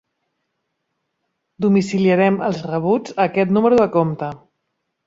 Domiciliarem els rebuts a aquest número de compte.